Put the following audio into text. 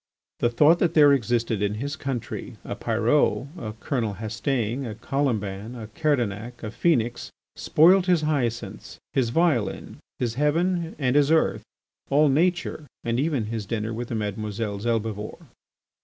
The thought that there existed in his country a Pyrot, a Colonel Hastaing, a Colomban, a Kerdanic, a Phœnix, spoilt his hyacinths, his violin, his heaven, and his earth, all nature, and even his dinner with the Mesdemoiselles Helbivore!